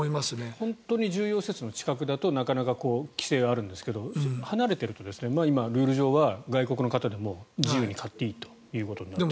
本当に重要施設の近くだと規制はあるんですけど離れていると今、ルール上は外国の方でも自由に買っていいということです。